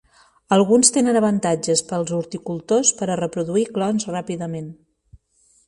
Alguns tenen avantatges pels horticultors per a reproduir clons ràpidament.